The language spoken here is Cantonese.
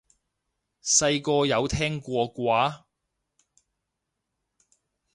細個有聽過啩？